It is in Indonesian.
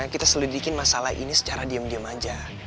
kita selidikin masalah ini secara diem diem aja